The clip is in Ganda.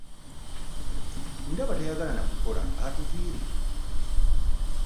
Ndaba tayagala na kukola atuviire.